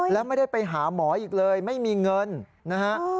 แล้วไม่ได้ไปหาหมออีกเลยไม่มีเงินนะฮะ